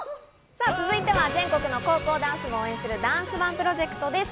さぁ、続いては全国の高校ダンス部を応援する、ダンスＯＮＥプロジェクトです。